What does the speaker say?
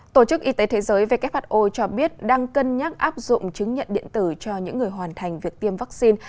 tổ chức y tế thế giới who cho biết đang cân nhắc áp dụng chứng nhận điện tử cho những người hoàn thành việc tiêm vaccine